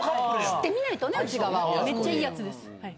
・知ってみないとね内側を・めっちゃいい奴ですはい。